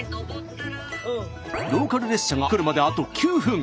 ローカル列車が来るまであと９分。